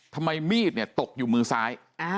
ทำไมมีดเนี่ยตกอยู่มือซ้าย